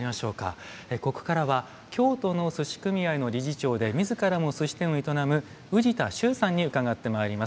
ここからは京都の寿司組合の理事長で自らも寿司店を営む宇治田脩盂さんに伺ってまいります。